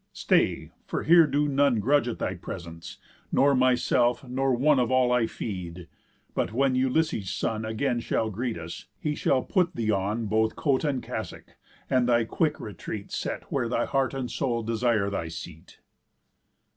Stay, for here do none Grudge at thy presence, nor myself, nor one Of all I feed. But when Ulysses' son Again shall greet us, he shall put thee on Both coat and cassock, and thy quick retreat Set where thy heart and soul desire thy seat."